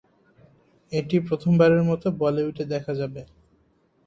এটি প্রথমবারের মতো বলিউডে দেখা যাবে।